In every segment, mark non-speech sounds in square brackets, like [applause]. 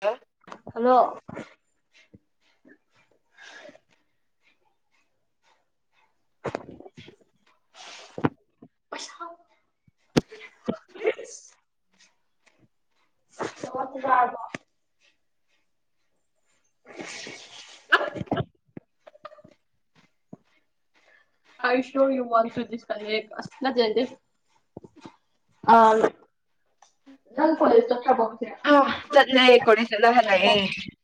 hello hello [unintelligible] [unintelligible] ꯆꯥꯛꯇꯤ ꯆꯔꯕꯔꯣ [unintelligible] [unintelligible] ꯅꯪ college ꯆꯠꯗꯔꯕꯣ ꯉꯁꯤ ꯑ ꯆꯠꯂꯦ ꯀꯣꯂꯦꯖ ꯆꯠꯂ ꯍꯜꯂꯛꯑꯦ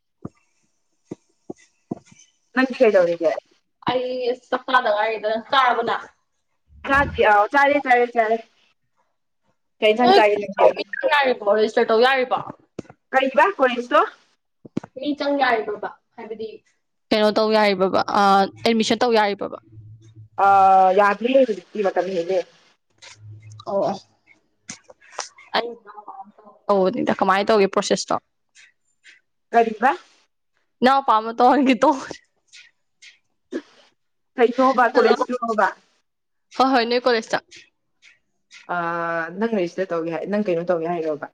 [unintelligible] ꯅꯪꯗꯤ ꯀꯩꯗꯧꯔꯤꯒꯦ ꯑꯩ ꯆꯥꯛ ꯆꯥꯗ ꯉꯥꯏꯔꯤꯗ ꯆꯔꯕꯣ ꯅꯪ ꯆꯥꯗꯔꯤ ꯑꯣ ꯆꯥꯔꯦ ꯆꯥꯔꯦ ꯆꯥꯔꯦ ꯀꯩ ꯏꯟꯁꯥꯡ ꯆꯥꯒꯦ ꯅꯣꯏ ꯅꯪꯗꯤ ꯌꯥꯔꯤꯕꯣ ꯔꯦꯖꯤꯁꯇꯔ ꯇꯧ ꯌꯥꯔꯤꯕꯣ ꯀꯔꯤꯕꯥ ꯀꯣꯂꯦꯖꯇꯣ ꯃꯤ ꯆꯪ ꯌꯥꯔꯤꯕꯕꯥ ꯍꯥꯏꯕꯗꯤ ꯀꯩꯅꯣ ꯇꯧ ꯌꯥꯔꯤꯕꯕꯥ ꯑꯦꯗꯃꯤꯁꯟ ꯇꯧ ꯌꯥꯔꯤꯕꯕ ꯑ ꯌꯥꯗꯔꯦꯍꯦ ꯍꯧꯖꯤꯛꯇꯤ ꯃꯇꯝ ꯍꯦꯜꯂꯦ ꯑꯣ ꯅꯤꯗ ꯀꯃꯥꯏꯅ ꯇꯧꯒꯦ ꯄ꯭ꯔꯣꯁꯦꯁꯇꯣ ꯀꯔꯤꯕ ꯏꯅꯥꯎꯄꯥ ꯑꯃ ꯇꯧꯍꯟꯒꯦ ꯇꯧꯕꯅꯦ ꯍꯜꯂꯣ [unintelligible] ꯍꯣꯏ ꯍꯣꯏ ꯅꯣꯏ ꯀꯣꯂꯦꯖꯇ ꯑ ꯅꯪ ꯔꯦꯖꯤꯁꯗꯔ ꯇꯧꯒꯦ ꯍꯥꯏ ꯅꯪ ꯀꯩꯅꯣ ꯇꯧꯒꯦ ꯍꯥꯏꯔꯣꯕ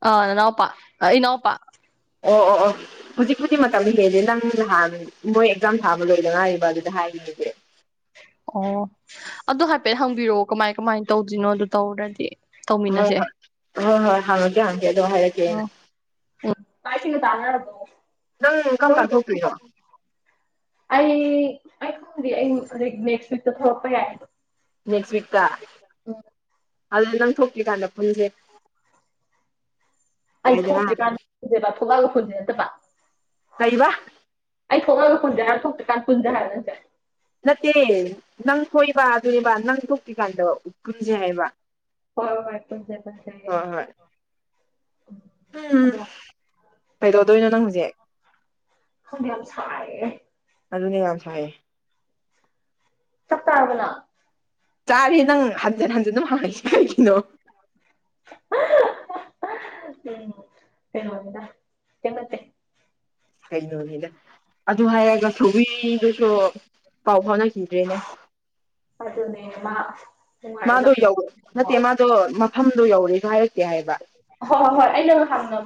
ꯑ ꯅꯅꯥꯎꯄꯥ ꯑ ꯏꯅꯧꯎꯄꯥ ꯑꯣ ꯑꯣ ꯑꯣ ꯍꯧꯖꯤꯛꯄꯨꯗꯤ ꯃꯇꯝ ꯍꯦꯜꯂꯦ ꯅꯪ ꯅꯍꯥꯟ ꯃꯣꯏ ꯑꯦꯛꯖꯥꯝ ꯊꯥꯕ ꯂꯣꯏꯗ ꯉꯥꯏꯔꯤꯕ ꯑꯗꯨꯗ ꯍꯥꯏꯔꯤꯁꯦ ꯑꯣ ꯑꯗꯨ ꯍꯥꯏꯐꯦꯠ ꯍꯪꯕꯤꯔꯛꯑꯣ ꯀꯃꯥꯏ ꯀꯃꯥꯏꯅ ꯇꯧꯗꯣꯏꯔꯤꯅꯣ ꯑꯗꯨ ꯇꯧꯔꯗꯤ ꯍꯣꯏ ꯇꯧꯃꯤꯟꯅꯁꯦ ꯍꯣꯏ ꯍꯣꯏ ꯍꯣꯏ ꯍꯥꯡꯉꯛꯀꯦ ꯍꯥꯡꯉꯛꯒꯦ ꯑꯗꯨ ꯍꯥꯏꯔꯛꯒꯦ ꯑꯣ ꯆꯥꯛ ꯏꯁꯤꯡꯒꯥ ꯆꯥꯅꯔꯕꯣ ꯅꯪ ꯀꯝꯀꯥꯟ ꯊꯣꯛꯇꯣꯏꯅꯣ ꯑꯩ ꯑꯩ ꯈꯪꯗꯦ ꯑꯩ ꯍꯧꯖꯤꯛ ꯅꯦꯛꯁ ꯋꯤꯛꯇ ꯊꯣꯛꯂꯛꯄ ꯌꯥꯏ ꯑꯗꯣ ꯅꯦꯛꯁ ꯋꯤꯛꯇ ꯑꯗꯣ ꯅꯪ ꯊꯣꯛꯇ꯭ꯔꯤꯀꯥꯟꯗ ꯄꯨꯟꯁꯦ [unintelligible] ꯑꯩ ꯊꯣꯛꯇ꯭ꯔꯤꯀꯥꯟꯗ ꯄꯨꯟꯁꯦꯕꯥ ꯊꯣꯛꯂꯛꯑꯒ ꯄꯨꯟꯁꯦ ꯅꯠꯇꯕ ꯀꯩꯕ ꯑꯩ ꯊꯣꯛꯂꯒ ꯄꯨꯟꯁꯦ ꯍꯥꯏꯔ ꯊꯣꯛꯇ꯭ꯔꯤꯀꯥꯟ ꯄꯨꯟꯁꯦ ꯍꯥꯏꯔ ꯅꯪꯁꯦ ꯅꯠꯇꯦ ꯅꯪ ꯊꯣꯏꯕ ꯑꯗꯨꯅꯦꯕ ꯅꯪ ꯊꯣꯛꯇꯔꯤꯀꯥꯟꯗ ꯎ ꯄꯨꯟꯁꯦ ꯍꯥꯏꯕ ꯍꯣꯏ ꯍꯣꯏ ꯄꯨꯟꯁꯦ ꯄꯨꯟꯁꯦ ꯍꯣꯏ ꯍꯣꯏ ꯎꯝ ꯀꯩꯗꯧꯗꯣꯏꯅꯣ ꯅꯪ ꯍꯧꯖꯤꯛ ꯈꯪꯗꯦ ꯌꯥꯝ ꯁꯥꯏꯌꯦ ꯑꯗꯨꯅꯦ ꯌꯥꯝ ꯁꯥꯏꯌꯦ ꯆꯥꯛ ꯆꯥꯔꯕꯣ ꯅꯪ ꯆꯥꯔꯤ ꯅꯪ ꯍꯟꯖꯤꯟ ꯍꯟꯖꯤꯟ ꯑꯗꯨꯝ ꯍꯪꯏꯁꯦ ꯀꯩꯒꯤꯅꯣ ꯎꯝ ꯀꯩꯅꯣꯅꯤꯗ ꯀꯩꯝ ꯅꯠꯇꯦ ꯀꯩꯅꯣꯅꯤꯗ ꯑꯗꯨ ꯍꯥꯏꯔꯒ ꯁꯕꯤꯗꯨꯁꯨ ꯄꯥꯎ ꯐꯥꯎꯅ ꯑꯗꯨꯅꯦ ꯃꯥ ꯅꯨꯡꯉꯥꯏ ꯑꯗꯣ ꯃꯐꯝꯗꯣ ꯌꯧꯔꯦꯒꯥ ꯍꯥꯏꯔꯛꯇꯦ ꯍꯥꯏꯕ ꯍꯣꯏ ꯍꯣꯏ ꯑꯩꯅ ꯉꯍꯥꯟ ꯉꯝ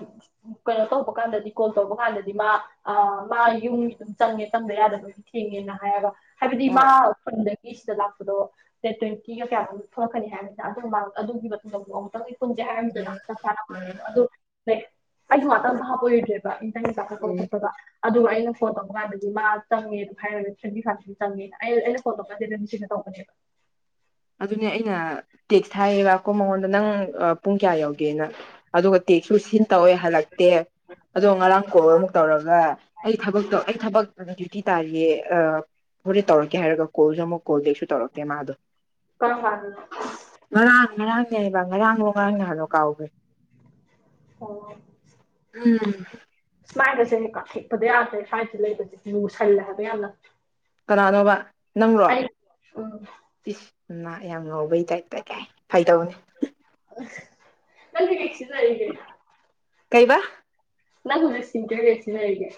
ꯀꯩꯅꯣ ꯇꯧꯕ ꯀꯥꯟꯗꯗꯤ ꯀꯣꯜ ꯇꯧꯕ ꯀꯥꯟꯗꯗꯤ ꯃꯥ ꯑ ꯃꯥ ꯌꯨꯝ ꯑꯗꯨꯝ ꯆꯪꯉꯦ ꯆꯪꯗ ꯌꯥꯗꯕ ꯊꯦꯡꯉꯦꯅ ꯍꯥꯏꯔꯒ ꯍꯥꯏꯕꯗꯤ ꯑꯣ ꯃꯥ ꯈꯨꯟꯗꯒꯤ ꯁꯤꯗ ꯂꯥꯛꯄꯗꯣ ꯗꯦꯠ ꯇ꯭ꯋꯦꯟꯇꯤꯒ ꯀꯌꯥꯅꯣꯝ ꯊꯣꯛꯂꯛꯀꯅꯤ ꯍꯥꯏꯕꯅꯤꯅ ꯑꯗꯨ ꯃꯃꯥꯡ ꯑꯗꯨꯒꯤ ꯃꯇꯨꯡꯗ ꯑꯃꯨꯛ ꯆꯪ ꯄꯨꯟꯁꯦ ꯎꯝ ꯎꯝ [unintelligible] ꯑꯗꯨ ꯂꯥꯏꯛ ꯑꯩꯁꯨ ꯉꯥꯛꯇꯪ ꯚꯥꯞ ꯑꯣꯏꯔꯨꯗꯔ꯭ꯦ ꯎꯝ [unintelligible] ꯑꯗꯨꯒ ꯑꯩꯅ ꯐꯣꯟ ꯇꯧꯕ ꯀꯥꯟꯗꯗꯤ ꯃꯥ ꯆꯪꯉꯦ ꯑꯗꯨ ꯍꯥꯏꯔꯒ ꯊꯦꯟꯇꯤ ꯐꯥꯏꯚꯁꯤ ꯆꯪꯉꯦꯅ ꯑꯩꯅ ꯈꯣꯂꯣꯄꯗꯝ ꯁꯤꯅ ꯇꯧꯕꯅꯦꯕ ꯑꯗꯨꯅꯦ ꯑꯩꯅ ꯇꯦꯛꯁ ꯍꯥꯏꯌꯦꯕꯀꯣ ꯃꯉꯣꯟꯗ ꯅꯪ ꯄꯨꯡ ꯀꯌꯥ ꯌꯧꯒꯦꯅ ꯑꯗꯨꯒ ꯇꯦꯛꯁꯨ ꯁꯤꯟ ꯇꯧꯋꯦ ꯍꯜꯂꯛꯇꯦ ꯑꯗꯣ ꯑꯣ ꯉꯔꯥꯡ ꯀꯣꯜ ꯑꯃꯨꯛ ꯇꯧꯔꯒ ꯑꯩ ꯊꯕꯛꯇꯣ ꯑꯩ ꯊꯕꯛꯇ ꯗ꯭ꯌꯨꯇꯤ ꯇꯥꯔꯤꯌꯦ ꯍꯣꯔꯦꯟ ꯇꯧꯔꯛꯀꯦ ꯍꯥꯏꯔꯒ ꯀꯣꯜꯁꯨ ꯑꯃꯨꯛ ꯀꯣꯜꯦꯛꯁꯨ ꯇꯧꯔꯛꯀꯦ ꯃꯥꯗꯣ ꯀꯥꯔꯝ ꯀꯥꯟ ꯉꯔꯥꯡ ꯉꯔꯥꯡꯅꯦꯕ ꯉꯔꯥꯡꯗ ꯉꯥꯡ ꯅꯍꯂꯣ ꯀꯥꯎꯈ꯭ꯔꯦ ꯑꯣ ꯎꯝ ꯃꯥꯏꯒꯁꯦ ꯊꯦꯛꯄꯗ ꯌꯥꯗ꯭ꯔꯦ ꯁꯨꯃꯥꯏꯅꯁꯦ ꯂꯩꯕꯁꯦ ꯂꯨꯁꯜꯂꯦ ꯍꯥꯏꯕ ꯌꯥꯝꯅ ꯀꯅꯥꯅꯣꯕ ꯅꯪꯕ꯭ꯔꯣ ꯏꯁ ꯃꯥ ꯌꯥꯝ ꯉꯧꯕꯩ ꯇꯗꯥ ꯇ ꯀꯥꯏ ꯐꯩꯗꯧꯅꯤ ꯅꯪꯗꯤ ꯀꯩꯁꯤꯗꯔꯒꯦ ꯀꯩꯕꯥ ꯅ ꯍꯧꯏꯖꯤ ꯁꯤ ꯀꯦ ꯌꯦꯁꯤ ꯅ ꯑꯩꯒꯦ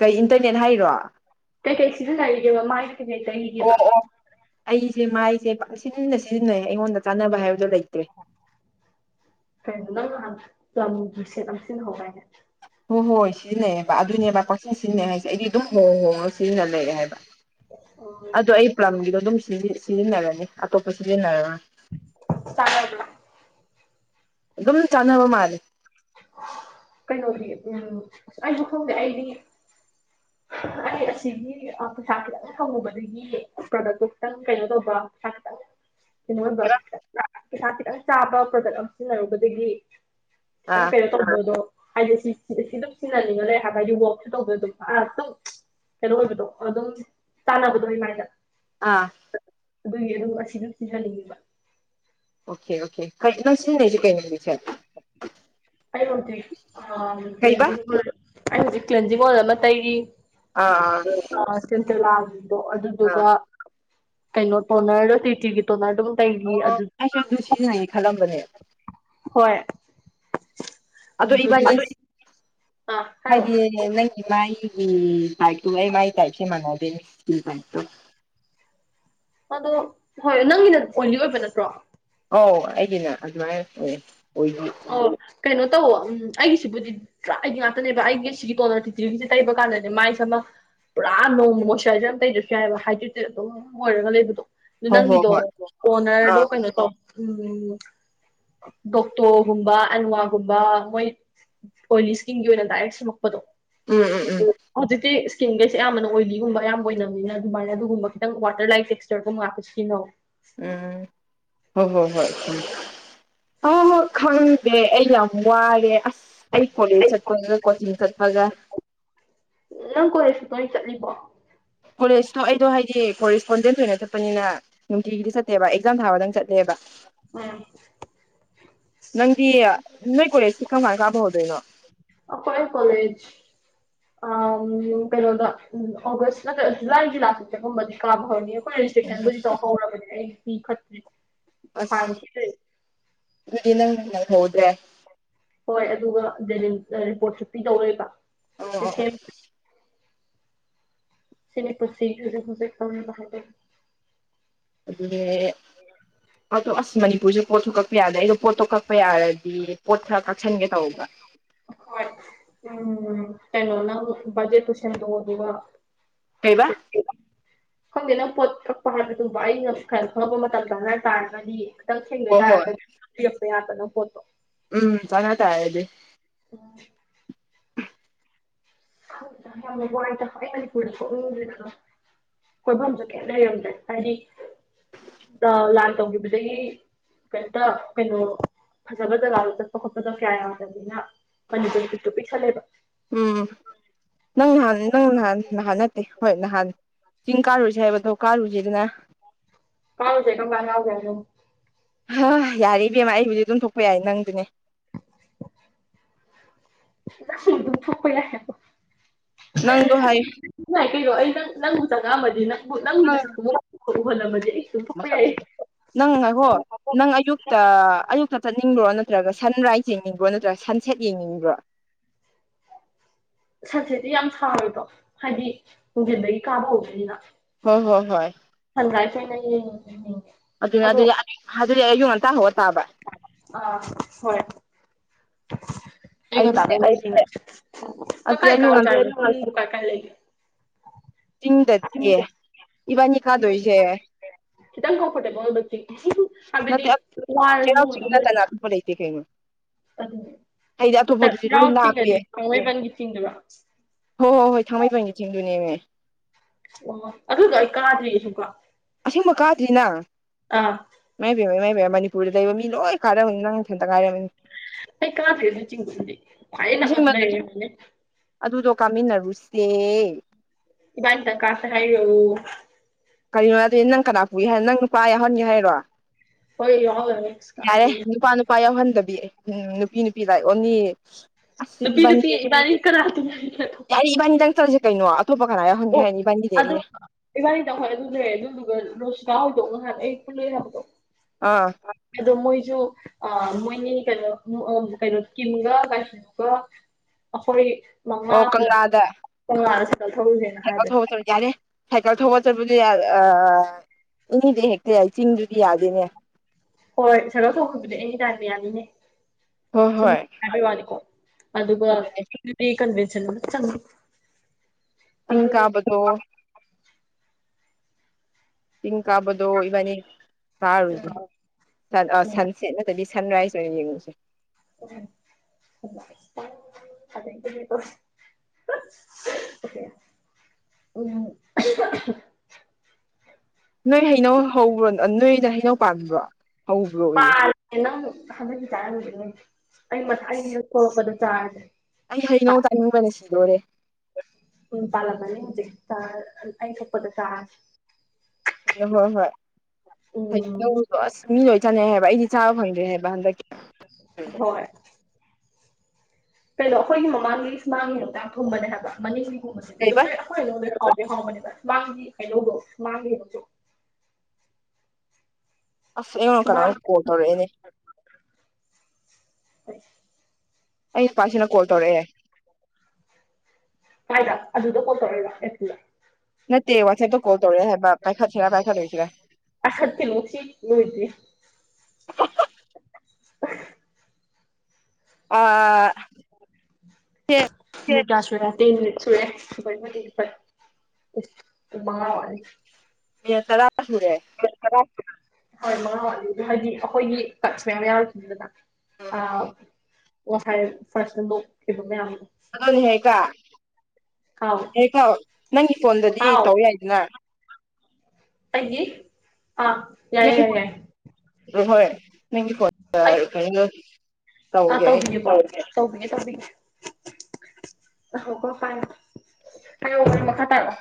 ꯀꯩ ꯏꯟꯇꯔꯅꯦꯠ ꯍꯥꯏꯔꯣ ꯀꯩꯀꯩ ꯁꯤꯖꯤꯟꯅꯔꯤꯒꯦꯕ ꯃꯥꯒꯤꯗꯤ ꯀꯩꯀꯩ ꯇꯪꯈꯤꯒꯦꯕ ꯑꯣ ꯑꯩꯁꯦ ꯃꯥꯏꯁꯦ ꯄꯥꯛꯁꯤꯟꯅ ꯁꯤꯖꯤꯟꯅꯩ ꯑꯩꯉꯣꯟꯗ ꯆꯥꯟꯅꯕ ꯍꯥꯏꯕꯗꯣ ꯂꯩꯇ꯭ꯔꯦ ꯀꯩꯅꯣ ꯅꯪ ꯅꯍꯥꯟ ꯂꯝꯕꯨꯁꯦꯠ ꯌꯥꯝ ꯁꯤꯅꯍꯧꯕ ꯍꯥꯏꯅꯦ ꯍꯣꯏ ꯍꯣꯏ ꯁꯤꯖꯤꯟꯅꯩꯑꯦꯕ ꯑꯗꯨꯅꯦꯕ ꯀꯣꯆꯤꯟ ꯁꯤꯖꯤꯟꯅꯩ ꯍꯥꯏꯁꯦ ꯑꯩꯗꯤ ꯑꯗꯨꯝ ꯍ ꯍꯣꯏ ꯁꯤꯅ ꯂꯩꯔꯦ ꯍꯥꯏꯕ ꯑꯣ ꯑꯩ ꯄꯂꯝꯒꯤꯗꯣ ꯑꯗꯨꯝ ꯁꯤꯖꯤꯟꯅꯔꯅꯤ ꯑꯇꯣꯞꯄ ꯁꯤꯖꯤꯟꯅꯔꯔ ꯆꯉ ꯑꯗꯨ ꯑꯗꯨꯝ ꯆꯥꯟꯅꯕ ꯃꯥꯜꯂꯦ ꯀꯩꯅꯣꯒꯤ ꯎꯝ ꯑꯩꯁꯨ ꯈꯪꯗꯦ ꯑꯩꯗꯤ [inaudible] ꯑꯩ ꯑꯁꯤꯒꯤ ꯄꯩꯁꯥ ꯈꯤꯇꯪ ꯐꯪꯉꯨꯕꯗꯒꯤ ꯄ꯭ꯔꯣꯗꯛꯇꯣ ꯈꯤꯇꯪ ꯀꯩꯅꯣ ꯇꯧꯕ꯭ꯔꯥ ꯄꯩꯁꯥ ꯈꯤꯇꯪ [inaudible] ꯀꯩꯅꯣ ꯑꯣꯏꯕ ꯍꯥꯏꯕ ꯈꯤꯇꯪ ꯄꯩꯁꯥ ꯈꯤꯇꯪ ꯆꯥꯕ ꯄ꯭ꯔꯗꯛ ꯑꯃ ꯁꯤꯖꯤꯟꯅꯔꯨꯕꯗꯒꯤ ꯈꯤꯇꯪ ꯑꯥ ꯀꯩꯔ ꯇꯧꯕꯗꯣ ꯍꯥꯏꯗꯤ ꯁꯤ ꯑꯗꯨꯝ ꯁꯤꯟꯅꯅꯤꯡꯉ ꯂꯩ ꯍꯥꯏꯕ ꯍꯥꯏꯗꯤ ꯋꯥꯛꯁꯨ ꯇꯧꯕꯗ ꯑꯗꯨꯝ ꯑ ꯀꯩꯅꯣ ꯑꯣꯏꯕꯗꯣ ꯑꯗꯨꯝ ꯇꯥꯟꯅꯕꯗꯣ ꯑꯩꯃꯥꯏꯗ ꯑꯥ ꯑꯗꯨꯒꯤ ꯑꯗꯨꯝ ꯑꯁꯤꯁꯨ ꯁꯤꯍꯟꯅꯤꯡꯉꯦꯕ ꯑꯣꯀꯦ ꯑꯣꯀꯦ ꯀꯩꯅꯗꯁꯖ ꯀꯩꯅꯦ ꯑꯩ ꯍꯧꯖꯤꯛ ꯀꯩꯕ ꯇꯦꯟꯅꯤꯡ ꯄꯔꯣꯗꯨꯛ ꯑꯩ ꯍꯧꯖꯤꯛ ꯀ꯭ꯟꯖꯕꯣꯜ ꯑꯃ ꯇꯩꯔꯤ ꯑꯥ ꯑꯥ ꯑ ꯁꯤꯤꯟꯇ ꯂꯥꯕꯗꯣ ꯑꯗꯨꯗꯨꯒ ꯀꯩꯅꯣ ꯇꯣꯟꯅꯔ ꯇꯤ ꯇꯤꯒꯤ ꯇꯣꯟꯅꯔ ꯑꯗꯨꯝ ꯑꯣ ꯇꯩꯔꯤ ꯑꯗꯨ ꯑꯩꯁꯨ ꯑꯗꯨ ꯁꯤꯖꯤꯟꯅꯏ ꯈꯜꯂꯝꯕꯅꯦ ꯍꯣꯏ ꯑꯗꯣ ꯏꯕꯅꯤ ꯑ ꯍꯥꯏꯔꯣ ꯅꯪꯒꯤ ꯃꯥꯏꯒꯤ ꯇꯥꯏꯞꯇꯣ ꯑꯩ ꯃꯥꯏ ꯇꯥꯏꯞꯁꯦ ꯃꯥꯟꯅꯗꯦꯅꯦ ꯇꯥꯏꯇꯣ ꯑꯗꯣ ꯍꯣꯏ ꯅꯪꯒꯤꯅ ꯑꯣꯏꯂꯤ ꯑꯣꯏꯕ ꯅꯠꯇ꯭ꯔꯣ ꯑꯧ ꯑꯩꯗꯤꯅꯦ ꯑꯗꯨꯃꯥꯏꯅ ꯑꯣꯏ ꯑꯣꯏ ꯑꯣ ꯀꯩꯅꯣ ꯇꯧ ꯎꯝ ꯑꯩꯒꯤꯁꯤꯕꯨꯗꯤ ꯑꯩꯗꯤ ꯉꯥꯛꯇꯅꯦꯕ ꯑꯩꯒꯤ ꯁꯤꯒꯤ ꯇꯣꯂꯣ ꯇꯤꯇꯤꯔꯤꯁꯦ ꯇꯩꯕ ꯀꯥꯟꯗꯅꯦ ꯃꯥꯏꯁꯃ ꯄꯨꯔꯥ ꯅꯣꯡꯃ ꯃꯣꯏꯆꯔꯥꯏꯖꯔ ꯑꯃ ꯇꯩꯗꯁꯨ ꯌꯥꯏꯑꯕ ꯍꯥꯏ ꯑꯗꯨꯝ ꯑꯣꯏꯔꯒ ꯂꯩꯕꯗꯣ ꯑꯗꯨ ꯍꯣꯏ ꯍꯣꯏ ꯅꯪꯒꯤꯗꯣ ꯍꯣꯏ ꯑꯥ ꯑꯣꯅꯔꯗꯣ ꯀꯩꯅꯣ ꯇꯧ ꯎꯝ ꯇꯣꯒꯨꯝꯕ ꯑꯟꯋꯥꯒꯨꯝꯕ ꯃꯣꯏ ꯑꯣꯏꯂꯤ ꯏꯁꯀꯤꯟꯒꯤ ꯑꯣꯏꯅ ꯗꯥꯏꯔꯦꯛ ꯁꯨꯝꯃꯛꯄꯗꯣ ꯎꯝ ꯎꯝ ꯎ ꯍꯧꯖꯤꯛꯇꯤ ꯏꯁꯀꯤꯟꯒꯩꯁꯦ ꯑꯌꯥꯝꯕꯅ ꯑꯣꯏꯂꯤꯒꯨꯝꯕ ꯑꯌꯥꯝꯕ ꯑꯣꯏꯕꯅꯤꯅ ꯑꯗꯨꯃꯥꯏꯅ ꯑꯗꯨꯒꯨꯝꯕ ꯈꯤꯇꯪ ꯋꯥꯇꯔ ꯂꯥꯏꯐ ꯏꯁꯇꯔꯀꯨ ꯃꯥꯥꯛꯣꯏꯈꯤꯅꯣ ꯎꯝ ꯍꯣꯏ ꯍꯣꯏ ꯍꯣꯏ ꯎꯝ ꯑ ꯈꯪꯗꯦ ꯑꯩ ꯌꯥꯝ ꯋꯥꯔꯦ ꯑꯁ ꯑꯩ ꯀꯣꯂꯦꯖ ꯆꯠꯄꯒ ꯀꯣꯆꯤꯡ ꯆꯠꯄꯒ ꯅꯪ ꯀꯣꯏꯔꯁꯨ ꯀꯣꯏ ꯆꯠꯂꯤꯕꯣ ꯀꯣꯂꯦꯖꯇꯣ ꯑꯩꯗꯣ ꯍꯥꯏꯗꯤ ꯀꯣꯔꯦꯁꯄꯣꯟꯗꯦꯟ ꯑꯣꯏꯅ ꯆꯠꯄꯅꯤꯅ ꯅꯨꯡꯇꯤꯒꯤꯗꯤ ꯆꯠꯇꯦꯕ ꯑꯦꯛꯖꯥꯝ ꯊꯥꯕꯗꯪ ꯆꯠꯇꯂꯦꯕ ꯎꯝ ꯅꯪꯗꯤ ꯅꯣꯏ ꯀꯣꯂꯦꯖꯁꯤ ꯀꯃꯥꯏ ꯀꯥꯕ ꯍꯧꯧꯗꯣꯏꯅꯣ ꯑꯣ ꯀꯣꯏ ꯀꯂꯦꯖ ꯎ ꯀꯩꯅꯣꯗ ꯎ ꯑꯣꯒꯁ ꯅꯠꯇ꯭ꯔꯒ ꯖꯨꯂꯥꯏꯒꯤ ꯂꯥꯁꯛꯇꯒꯨꯝꯕꯗꯤ ꯀꯥꯕ ꯍꯧꯅꯤ ꯑꯩꯈ ꯔꯤꯁꯦꯛꯁꯟꯕꯨꯗꯤ ꯇꯧꯍꯧꯔꯕꯅꯦ ꯑꯩꯗꯤ ꯈꯠꯇ꯭ꯔꯦ ꯑꯁ ꯑꯗꯨꯗꯤ ꯅꯪꯪꯍꯧꯗ꯭ꯔꯦ ꯍꯣꯏ ꯑꯗꯨꯒ ꯗ ꯔꯤꯄꯣꯔꯠꯁꯨ ꯄꯤ ꯇꯧꯔꯣꯏꯕ ꯑꯣ ꯑꯣ ꯁꯤꯅꯤꯄꯁꯤꯁꯨꯖꯤꯛ ꯍꯧꯣꯖꯤꯛꯕꯥꯧꯅ ꯍꯥꯏꯥꯏꯕ ꯑꯗꯨ ꯑꯗꯣ ꯑꯁ ꯃꯅꯤꯄꯨꯔꯁꯨꯦ ꯄꯣꯠ ꯊꯣꯛ ꯀꯛꯄ ꯌꯥꯗ ꯑꯩꯗꯣ ꯄꯣꯠꯇꯣ ꯀꯛꯄ ꯌꯥꯔꯗꯤ ꯄꯣꯠ ꯈꯔ ꯀꯛꯁꯟꯒꯦ ꯇꯧꯕ ꯍ ꯎꯝ ꯀꯩꯅꯩꯅꯣ ꯅ ꯖꯦ ꯇꯨꯁꯟ ꯇ ꯍꯗꯕ ꯀꯩꯕꯥ [inaudible] ꯈꯪꯗꯦ ꯅꯪ ꯄꯣꯠ ꯀꯛꯄ ꯍꯥꯏꯕꯗꯨꯕ ꯑꯩ ꯉ ꯈꯔ ꯈꯪꯕ ꯃꯇꯝꯗ ꯉꯔ ꯇꯥꯔꯒꯅꯤ ꯈꯤꯇꯪ ꯊꯦꯡꯗꯣꯏ ꯍꯣꯏ ꯍꯣꯏ ꯇꯥꯔꯒꯗꯤ ꯌꯦꯛꯄ ꯌꯥꯗꯅ ꯈꯣꯠꯇꯣ ꯎꯝ ꯆꯉ ꯇ ꯍꯥꯏꯗꯤ ꯎꯝ ꯋꯥꯇ ꯐꯅꯤꯔ ꯀꯣꯏꯐꯝꯖ ꯀꯦ ꯂꯩꯔꯝꯗ꯭ꯔꯦ ꯍꯥꯏꯗꯤ ꯂꯥꯟ ꯇꯧꯈꯤꯕꯗꯒꯤ ꯀꯩꯝꯇ ꯀꯩꯅꯣ ꯐꯖꯕ ꯖꯒꯥꯗꯣ ꯆꯠꯄ ꯈꯣꯠꯄꯗ ꯀꯌꯥ ꯌꯥꯗꯕꯅꯤꯅ ꯃꯅꯤꯄꯨꯔꯒꯤ ꯄꯤꯛꯇꯣ ꯄꯤꯛꯊꯜꯂꯦꯕ ꯎꯝ ꯅꯪ ꯅꯍꯥꯟ ꯅꯪ ꯅꯍꯥꯟ ꯅꯍꯥꯟ ꯅꯠꯇꯦ ꯍꯣꯏ ꯅꯍꯥꯟꯅꯦ ꯆꯤꯡ ꯀꯥꯔꯨꯁꯦ ꯍꯥꯏꯕꯗꯣ ꯀꯥꯔꯨꯁꯤꯦꯗꯅ ꯀꯥꯎꯁꯦ ꯀꯪ ꯀꯥꯟꯅꯅꯥꯖ ꯑꯗꯨ ꯑ ꯌꯥꯔꯦ ꯏꯕꯦꯝꯃ ꯑꯩꯕꯨꯗꯤ ꯑꯗꯨꯝ ꯊꯣꯛꯄ ꯌꯥꯏ ꯅꯪꯗꯨꯅꯦ ꯝ ꯊꯄꯩ ꯂꯦ ꯅꯪꯗꯣ ꯍꯥꯏ ꯉꯥꯏ ꯀꯩꯅꯣ ꯑꯩ ꯅꯪ ꯅꯪꯕꯨ ꯆꯪꯉꯛꯑꯝꯃꯗꯤꯪ ꯕꯨ ꯅꯪꯒꯤꯅ ꯅꯪ ꯁꯛꯨ ꯈꯎ ꯍꯣꯂꯝꯕꯁ ꯑꯩ ꯁꯨꯝ ꯊꯣꯛꯄ ꯌꯥꯏꯌꯦ ꯃꯁꯛꯁꯤꯒ ꯅꯪ ꯉꯥꯏ ꯍꯣ ꯅꯪ ꯑꯌꯨꯛꯇ ꯑꯌꯨꯛꯇ ꯆꯠꯅꯤꯡꯕ꯭ꯔꯣ ꯅꯠꯇ꯭ꯔꯒ ꯁꯟ ꯔꯥꯏꯖ ꯌꯦꯡꯅꯤꯡꯕ꯭ꯔꯣ ꯅꯠꯇ꯭ꯔꯒ ꯁꯟ ꯁꯦꯠ ꯌꯦꯡꯅꯤꯡꯕ꯭ꯔꯣ ꯁꯟ ꯁꯦꯠꯇꯤ ꯌꯥꯝ ꯁꯥꯔꯣꯏꯀꯣ ꯍꯥꯏꯗꯤ ꯍꯣꯡꯖꯤꯟꯕꯒꯤ ꯀꯥꯕ ꯍꯧꯕꯅꯤꯅ ꯍꯣꯏ ꯍꯣꯏ ꯍꯣꯏ ꯍꯪꯒꯥꯥꯏ ꯐꯅ ꯑꯗꯨꯅꯦ ꯑꯗꯨꯗꯤ ꯑꯗꯨꯗꯤ ꯑꯩ ꯑꯌꯨꯛ ꯉꯟꯇꯥ ꯍꯧꯧꯕꯒ ꯇꯥꯕ ꯑꯥ ꯍꯣꯏ ꯑꯩ ꯑꯩꯁꯦ ꯇꯥꯔ ꯂ ꯑꯗꯨꯗꯤ ꯀꯥꯏ ꯀ ꯑꯌꯨꯛ ꯆ ꯉꯟꯇꯥ ꯀꯥꯏ ꯀꯥꯏ ꯂꯩ ꯆꯤꯡꯗꯗꯤ ꯏꯕꯥꯅꯤ ꯈꯥꯗꯣꯏꯁꯦ ꯈꯤꯇꯪ ꯀꯝꯐꯣꯔꯇꯦꯕꯜꯗꯤ ꯩꯅꯣ ꯆ ꯇꯅꯥꯕꯨ ꯂꯩꯇ ꯀ ꯑꯗꯨ ꯆꯥꯛꯅꯥꯎ ꯂꯥꯞꯄꯦ ꯆꯤꯡꯒꯗꯤ ꯊꯥꯡꯃꯩꯕꯟꯒꯤ ꯆꯤꯡꯗꯕ ꯍꯣꯏ ꯍꯣꯏ ꯍꯣꯏ ꯊꯥꯡꯃꯩꯕꯟꯒꯤ ꯊꯦꯡꯗꯨꯅꯦꯅꯦ ꯑꯣ ꯑꯗꯨꯗ‌ꯣ ꯑꯩ ꯀꯥꯗ꯭ꯔꯤꯌꯦ ꯁꯨꯡꯀꯥ ꯑꯁ‌‌ꯦꯡꯕꯥ ꯀꯥꯗ꯭ꯔꯤ ꯅ‌ꯪ ꯑꯥ ꯏꯃꯥꯏ ꯄ‌ꯦꯝꯃꯥ ꯏꯃꯥꯏ ꯄ‌ꯦꯝꯃꯥ ꯃꯅꯤꯄꯨꯔꯗ ꯂꯩꯕ ꯃꯤ ꯂꯣꯏ ꯀꯥꯟꯅꯕꯅꯤ ꯅꯪ ꯅꯊꯟꯇ ꯉꯥꯏꯔꯝꯅꯤ ꯑꯩ ꯀꯥꯗꯔꯖꯨ ꯆꯤꯡꯁꯤꯟ ꯅꯩ ꯈꯋꯥꯏꯗꯩ ꯅꯛꯅꯁꯨ ꯑꯁꯦꯡꯕ ꯂꯩꯔꯤ ꯖꯤꯕꯨ ꯅ‌ꯦ ꯑꯗꯨꯗꯣ ꯀꯥꯃꯤꯟꯅꯔꯨꯁꯦ ꯏꯕꯥꯅꯤ ꯇ‌ꯪ ꯀꯥꯥꯁ‌ꯦ ꯍꯥꯏꯔ‌ꯣ ꯀꯔꯤꯅꯣ ꯍꯥꯏꯗꯤ ꯅꯪ ꯀꯅꯥ ꯄꯨꯒꯦ ꯍꯥꯏ ꯅꯪ ꯅꯨꯄꯥ ꯌꯥꯎꯍꯟꯒꯦ ꯍꯥꯏꯔꯣ ꯍꯣꯏ ꯌꯥꯎꯍꯜꯂꯔꯣꯏ ꯏꯁ ꯌꯥꯔꯦ ꯀꯥꯏꯗꯩꯅꯣ ꯅꯨꯄꯥ ꯅꯨ ꯅꯨꯄꯥ ꯌꯥꯎꯍꯟꯗꯕꯤ ꯎꯝ ꯅꯨꯄꯤ ꯅꯨꯄꯤ ꯂꯥꯏ ꯑꯣꯅꯤ ꯑꯁ ꯅꯨꯄꯤ ꯏꯕꯥꯅꯤ ꯅꯨꯄꯤ ꯅ‌ꯦ ꯀꯅꯥ ꯇꯤꯟꯅꯔꯤꯒꯦ ꯑꯇꯣꯞꯄ ꯌꯥꯔ‌ꯦ ꯏꯕꯥꯅꯤꯗꯪ ꯆꯠꯂꯖ‌ꯦ ꯀꯩꯅꯣ ꯑꯇ‌ꯣꯞꯄꯥ ꯀꯅꯥ ꯌꯥꯎꯍꯟꯒ‌ꯦ ꯍꯥꯏꯅ‌ꯣ ꯏꯕꯥꯟꯅꯤ ꯗꯩ ꯑ‌ꯦ ꯏꯕꯥꯅꯤ ꯇꯧ ꯍꯣꯏ ꯑꯗꯨ ꯖꯨ ꯂꯩ꯭ꯔꯦ ꯑꯗꯨꯗꯨꯒ ꯔꯣꯁꯤꯇꯥ ꯍ‌ꯣꯏꯗꯣ ꯉꯍꯥꯟ ꯑꯩ ꯄꯨꯂꯛ ꯑ‌ꯦ‌ ꯍꯥꯏꯕꯗꯣ ꯑꯥ ꯑꯗꯣ ꯃꯣꯏꯖꯨ ꯑꯥ ꯃꯣꯏꯅꯤ ꯀꯩꯅꯣ ꯀꯩꯅꯣ ꯀꯤꯝꯒ ꯑꯗꯨꯒ ꯑꯩꯈꯣꯏ ꯃꯉꯥ ꯑꯣ ꯄꯨꯂꯞ ꯀꯪꯂꯥꯗ ꯇ‌ꯣꯉꯥꯟ ꯁꯥꯏꯀꯜ ꯊꯧꯔꯨꯖ‌ꯦ [unintelligible] ꯌꯥꯔꯦ ꯁꯥꯏꯀꯜ ꯊꯧꯕ ꯆꯠꯄꯗꯥ ꯌꯥ ꯑꯥ ꯏꯪꯉꯤꯅ‌ꯦ ꯍꯦꯛꯇ ꯆꯤꯡꯗꯨꯗꯤ ꯌꯥꯗꯦꯅꯦ ꯍꯣꯏ ꯁꯥꯏꯀꯜ ꯊꯧꯕ ꯗꯨꯗꯤ ꯑꯦꯅꯤ ꯇꯥꯏꯝꯗ ꯌꯥꯅꯤꯅꯦ ꯍꯣꯏ ꯁꯨꯝ ꯍꯣꯏ ꯍꯥꯏꯕꯩ ꯋꯥꯅꯤꯀ‌ꯣ ꯑꯗꯨꯒ ꯑꯗꯨꯅꯦ [unintelligible] ꯀꯟꯚ‌ꯦꯁꯟ ꯆꯪ ꯆꯤꯡ ꯀꯥꯕꯥꯗ‌ꯣ ꯆꯤꯡ ꯀꯥꯕꯗꯣ ꯏꯕꯥꯅꯤ ꯀꯥꯔꯨꯖ‌ꯦ ꯁꯟ ꯑꯥ ꯁꯟꯁꯦꯠ ꯅꯠꯇ꯭ꯔꯗꯤ ꯁꯟꯔꯥꯏꯁ ꯑꯣꯏꯅ ꯌꯦꯡꯉꯨꯖ‌ꯦ [inaudible] [unintelligible] [unintelligible] ꯅꯣꯏ ꯍꯩꯅꯧ ꯍꯧꯕ꯭ꯔꯣ ꯅꯣꯏꯗ ꯍꯩꯅꯧ ꯄꯥꯟꯕꯣ ꯍꯧꯕ꯭ꯔꯣ ꯑꯣꯏꯌꯦ ꯄꯥꯜꯂꯦ ꯅꯪ ꯍꯟꯗꯛ ꯀꯤ ꯆꯥꯔꯝꯒꯤꯅꯨ ꯑꯩ ꯃꯥ ꯑꯩ ꯌꯨꯝ ꯊꯣꯛꯂꯛꯄꯗꯥ ꯆꯥꯔꯖ‌ꯦ ꯑꯩ ꯍꯩꯅꯧ ꯆꯥꯅꯤꯡꯕꯅꯥ ꯁꯤꯗ‌ꯣꯔꯦ [unintelligible] ꯑꯩ ꯊ‌ꯣꯛꯄꯗꯥ ꯆꯥꯔꯖ‌ꯦ ꯅꯣ ꯍꯣꯏ ꯍꯣꯏ ꯎꯝ ꯍꯩꯅꯧꯗꯣ ꯑꯁ ꯃꯤ ꯂꯣꯏ ꯆꯥꯅꯩ ꯍꯥꯏ ꯑꯩꯗꯤ ꯆꯥꯕ ꯐꯪꯗ꯭ꯔꯦ ꯍꯥꯏꯕꯥ ꯍꯟꯗꯛ ꯍ‌ꯣꯏ ꯀꯩꯅꯣ ꯑꯩꯈꯣꯏꯒꯤ ꯃꯃꯥꯡꯒꯤ ꯁꯨꯃꯥꯡ ꯒꯤ ꯍꯩꯅꯧ ꯗ‍ꯣ ꯌꯥꯝ ꯊꯨꯝꯕꯅꯦ ꯍꯥꯏꯕ ꯃꯅꯤꯡꯒꯤꯒꯨꯝꯕꯁꯤꯗꯤ ꯀꯩꯕ ꯂ‌ꯣꯏꯔ‌ꯦ ꯑꯩꯈ‌ꯣꯏ ꯍꯩꯅꯧ ꯗ‌ꯣ ꯍꯥꯎꯗꯤ ꯍꯥꯎꯕ ꯅ‌ꯦꯕꯥ ꯃꯥꯡ ꯒꯤ ꯍꯩꯅꯧ ꯗ‌ꯣ ꯃꯥꯡꯒꯤ ꯑꯁ ꯑꯩꯉ‌ꯣꯟ ꯀꯅꯥ ꯁꯨꯃꯥꯡ ꯅ‌ꯣꯝ ꯀꯣꯜ ꯇꯧꯔꯛꯑ‌ꯦꯅꯦ [inaudible] ꯑꯩ ꯅꯨꯄꯥꯁꯤ ꯅꯥ ꯀꯣꯜ ꯇꯧꯔꯛꯑꯦ ꯀꯥꯏꯗ ꯑꯗꯨꯗ ꯀꯣꯜꯇꯣꯔꯛ ꯏꯕꯥ ꯑ‌ꯦꯞꯇꯨ ꯅꯠꯇ‌ꯦ ꯋꯥꯆ‌ꯦꯠꯇ ꯀꯣꯜ ꯇꯧꯔꯛꯑ‌ꯦ ꯍꯥꯏ ꯕꯥ ꯄꯥꯏꯈꯠꯁꯤꯔ ꯄꯥꯏꯈꯠꯂ‌ꯣꯏꯁꯤꯔꯥ ꯄꯥꯏꯈꯠ ꯀꯅꯨ ꯁꯤ ꯂꯣꯏꯗꯔꯤ [unintelligible] ꯑꯥ ꯁꯦ [unintelligible] ꯏꯁ ꯄꯨꯡ ꯃꯉꯥ ꯋꯥꯠꯂꯤ ꯑ‌ꯦ ꯇꯔꯥ ꯍꯨꯔꯦ ꯑ‌ꯦ ꯇꯔꯥ ꯁꯨꯔ‌‌ꯦ ꯍ‌ꯣꯏ ꯃꯉꯥ ꯋꯥꯠꯂꯤ ꯍꯥꯏꯗꯤ ꯑꯈ‌ꯣꯏꯒꯤ ꯇꯥꯛꯁ ꯃꯌꯥꯝ ꯌꯥꯎꯔꯤ ꯗꯅꯥ ꯑꯥ ꯉꯁꯥꯏ ꯐꯔꯥꯁ [unintelligible] ꯑꯗꯣꯅꯦ ꯍꯦꯀꯥ ꯍꯥꯎ ꯍꯦꯀꯥ ꯅꯪꯒꯤ ꯐꯣꯟꯗꯗꯤ ꯍꯥꯎ ꯇꯧ ꯌꯥꯏꯗꯅ ꯑꯩꯒꯤ ꯑꯥ ꯌꯥꯏꯌꯦ ꯌꯥꯏ ꯌꯥꯏ [unintelligible] ꯅ ꯍꯣꯏ ꯅꯪꯒꯤ ꯀ ꯑ ꯇꯧꯕꯤꯒꯦ ꯇꯧꯕꯤꯒꯦ ꯇꯧꯕꯤꯒꯦ ꯉꯥꯢꯈꯣꯀꯣ ꯄꯥꯢꯌꯣ [unintelligible] ꯃꯈꯥ ꯇꯥꯔꯛꯑꯣ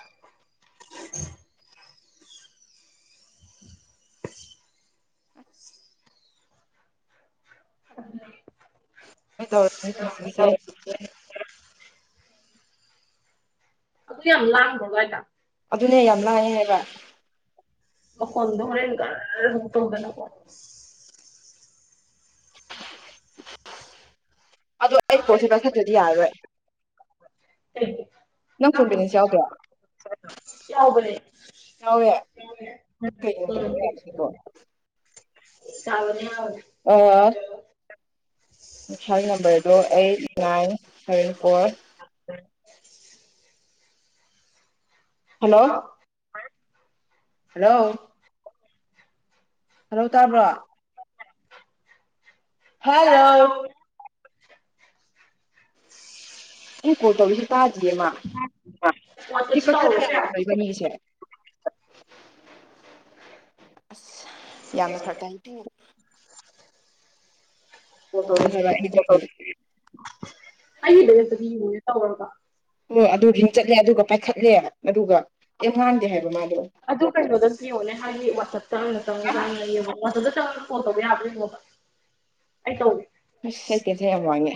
[unintelligible] [unintelligible] ꯑꯗꯨ ꯌꯥꯝ ꯂꯥꯡꯕ꯭ꯔꯣ ꯑꯗꯥꯏꯗ ꯑꯗꯨꯅꯦ ꯌꯥꯝ ꯂꯥꯡꯉꯦ ꯍꯥꯏꯕ ꯃꯈꯣꯟꯗꯣ ꯍꯣꯔꯦꯟ ꯒꯔ ꯑꯃꯨꯛ ꯇꯧꯗꯅꯀꯣ ꯑꯗꯨ ꯑꯩ ꯐꫭꯟꯁꯦ ꯄꯥꯏꯈꯠꯇꯔꯗꯤ ꯌꯥꯔꯥꯔꯣꯏ [unintelligible] ꯅꯪ ꯐꯣꯟ ꯕꯦꯂꯦꯟꯁ ꯌꯥꯎꯗ꯭ꯔꯣ ꯌꯥꯎꯕꯅꯦ ꯌꯥꯎꯋꯦ ꯂꯩ ꯎꯝ ꯀꯩꯒꯤꯅꯣ ꯌꯥꯗ꯭ꯔꯤꯗꯣ [unintelligible] [unintelligible] ꯑꯣ ꯉꯁꯥꯏ ꯅꯝꯕꯔꯗꯣ eight nine seven four [unintelligible] hello ꯍ [unintelligible] ꯍꯜꯂꯣ ꯍꯜꯂꯣ ꯇꯥꯕ꯭ꯔꯣ ꯍꯜꯂꯣ ꯃꯤ ꯀꯣꯜ ꯇꯧꯔꯛꯏꯁꯤ ꯇꯥꯗꯤꯌꯦ ꯃꯥ [unintelligible] ꯋꯥꯆꯞ ꯇꯧꯔꯣ ꯑꯗꫭ ꯏꯕꯥꯏꯅꯤꯒꯤꯁꯦ ꯑꯁ ꯌꯥꯝꯅ ꯐꯔꯛꯇ ꯍꯥꯏꯕꯤꯇꯨ [unintelligible] ꯀꯣꯜ ꯇꯧꯔꯦ ꯍꯥꯏꯕ ꯑꯩ ꯑꯣ ꯑꯗꯨꯒꯤ ꯑꯩꯒꯤꯗꯛꯇꯗꯤ ꯌꯦꯡꯉꯨꯅꯦ ꯇꯧꯔꯒ [unintelligible] ꯑꯣ ꯑꯗꯨ ꯂ꯭ꯔꯤꯡ ꯆꯠꯂꯦ ꯑꯗꯨꯒ ꯄꯥꯏꯈꯠꯂꯦ ꯑꯗꯨꯒ ꯀꯩꯝ ꯉꯥꯡꯗꯦ ꯍꯥꯏꯕ ꯃꯥꯗꯣ ꯑꯗꯨ ꯀꯩꯅꯣꯗ ꯌꯦꯡꯉꯣꯅꯦ ꯍꯥꯏꯗꯤ ꯋꯥꯆꯞꯇꯪꯅ ꯆꯪꯉꯒ ꯍꯥꯟꯅ ꯌꯦꯡꯉꯣ ꯋꯥꯆꯞ ꯆꯪꯉꯒ ꯐꯣꯟ ꯇꯧꯕ ꯌꯥꯕ꯭ꯔ ꯌꯦꯡꯉꯣꯕ ꯑꯩ ꯇꯧꯒꯦ ꯑꯩꯁ ꯑꯩ ꯇꯦꯟꯁꯟ ꯌꯥꯝ ꯋꯥꯡꯉꯦ